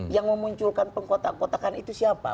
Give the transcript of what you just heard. yang memunculkan pengkotak kotakan itu siapa